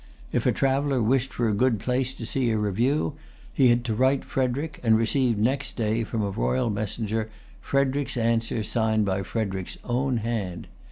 If a traveller wished for a good place to see a review, he had to write to Frederic, and received next day, from a royal messenger, Frederic's answer signed by Frederic's own hand.